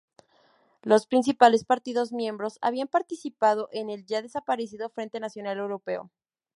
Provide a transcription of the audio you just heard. Los principales partidos miembros habían participado en el ya desaparecido Frente Nacional Europeo.